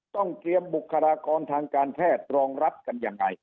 ต้องเตรียมบุคลากรทางการแพทย์รองรับกันยังไง